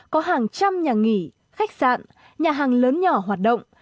có hàng trăm nhà nghỉ khách sạn nhà hàng lớn nhỏ hoạt động